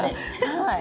はい。